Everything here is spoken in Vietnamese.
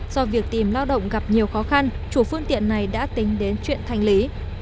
do việc tìm lao động gặp nhiều khó khăn chủ phương tiện này đã tính đến chuyện thanh lý